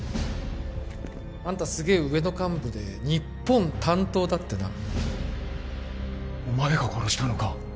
あんたすげえ上の幹部で日本担当だってなお前が殺したのか？